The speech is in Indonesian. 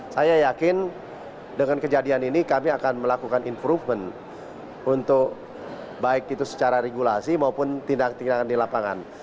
saya yakin dengan kejadian ini kami akan melakukan improvement untuk baik itu secara regulasi maupun tindak tindakan di lapangan